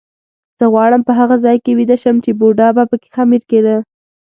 زه غواړم په هغه ځای کې ویده شم چې بوډا به پکې خمیر کېده.